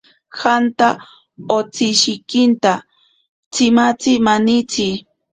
Janta otsishikinta tsimatzi manitsi.